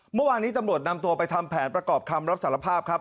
เมื่อวานนี้ตำรวจนำตัวไปทำแผนประกอบคำรับสารภาพครับ